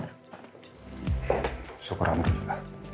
ya syukur amri juga